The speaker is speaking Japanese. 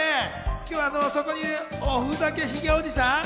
今日はそこにいる、おふざけひげおじさん。